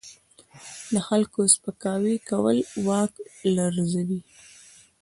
د خلکو سپکاوی کول واک لرزوي.